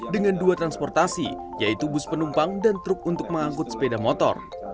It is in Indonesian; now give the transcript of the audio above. dengan dua transportasi yaitu bus penumpang dan truk untuk mengangkut sepeda motor